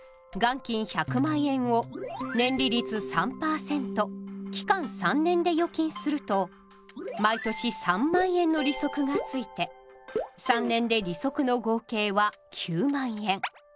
元金１００万円を年利率３％期間３年で預金すると毎年３万円の利息が付いて３年で利息の合計は９万円。